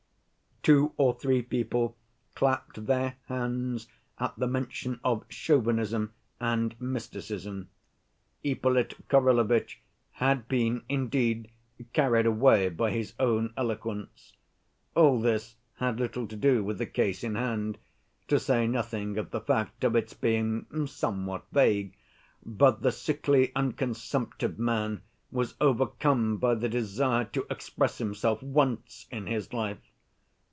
Two or three people clapped their hands at the mention of chauvinism and mysticism. Ippolit Kirillovitch had been, indeed, carried away by his own eloquence. All this had little to do with the case in hand, to say nothing of the fact of its being somewhat vague, but the sickly and consumptive man was overcome by the desire to express himself once in his life.